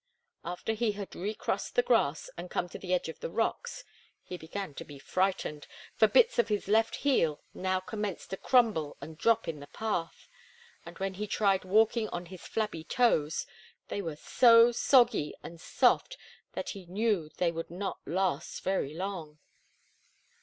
After he had recrossed the grass and come to the edge of the rocks he began to be frightened, for bits of his left heel now commenced to crumble and drop in the path; and when he tried walking on his flabby toes, they were so soggy and soft that he knew they would not last very long.